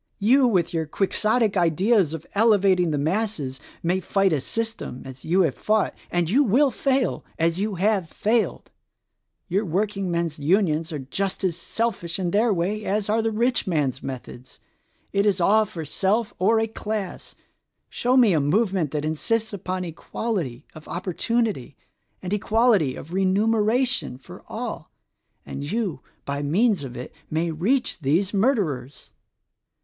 You, with your Quixotic ideas of elevating the masses, may fight a system — as you have fought : and you will fail — as you have failed. Your work ingmen's Unions are just as selfish in their way as are the rich men's methods: it is all for self or a class. Show me a movement that insists upon equality of opportunity and equality of remuneration for all, and you by means of it may reach these murderers!